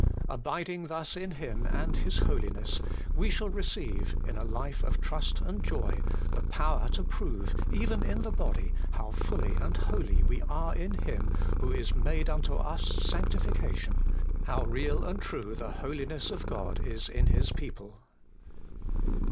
.Abiding thus in Him and His Holiness, we shall receive, in a life of trust and joy, the power to prove, even in the body, how fully and wholly we are in Him who is made unto us sanctification, how real and true the Holiness of God is in His people.